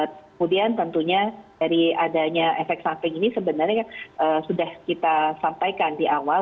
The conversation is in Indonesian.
kemudian tentunya dari adanya efek samping ini sebenarnya sudah kita sampaikan di awal